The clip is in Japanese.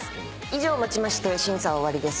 以上をもちまして審査は終わりです。